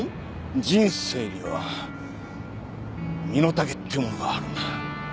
人生には身の丈ってもんがあるんだ。